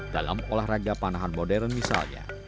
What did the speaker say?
dalam olahraga panahan modern misalnya